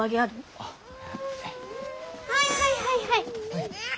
はいはいはいはい。